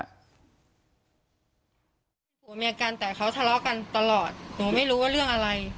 ผัวเมียกันแต่เขาทะเลาะกันตลอดหนูไม่รู้ว่าเรื่องอะไร